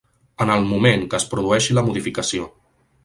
En el moment que es produeixi la modificació.